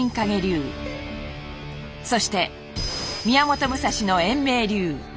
そして宮本武蔵の円明流。